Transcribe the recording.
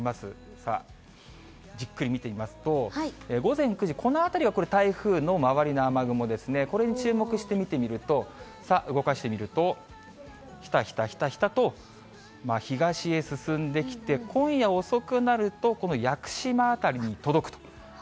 さあ、じっくり見てみますと、午前９時、このあたりはこれ、台風の周りの雨雲ですね、これに注目して見てみると、さあ、動かしてみると、ひたひたひたひたと、東へ進んできて、今夜遅くなると、この屋久島辺りに届くと。